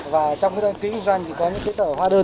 và trong đăng ký kinh doanh thì có những kỹ tờ hóa đơn